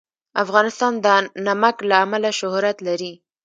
افغانستان د نمک له امله شهرت لري.